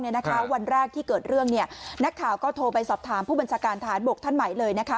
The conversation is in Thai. วันแรกที่เกิดเรื่องนักข่าวก็โทรไปสอบถามผู้บัญชาการฐานบกท่านใหม่เลยนะคะ